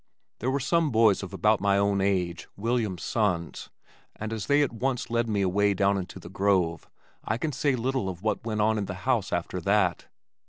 There were some boys of about my own age, William's sons, and as they at once led me away down into the grove, I can say little of what went on in the house after that.